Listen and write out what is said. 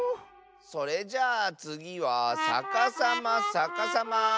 それじゃあつぎはさかさまさかさま！